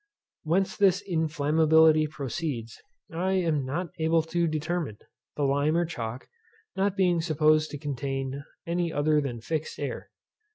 Whence this inflammability proceeds, I am not able to determine, the lime or chalk not being supposed to contain any other than fixed air.